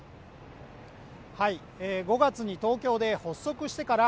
５月に東京で発足してから